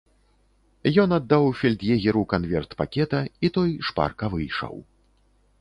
Ён аддаў фельд'егеру канверт пакета, і той шпарка выйшаў.